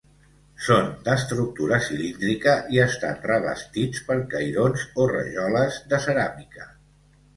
Són d'estructura cilíndrica i estan revestits per cairons o rajoles de ceràmica.